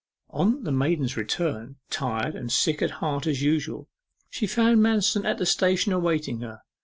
On the maiden's return, tired and sick at heart as usual, she found Manston at the station awaiting her.